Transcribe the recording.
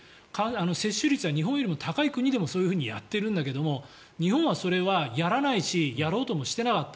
接種率が日本より高い国でもそういうことをやってるんだけど日本はそれはやらないしやろうともしていなかった。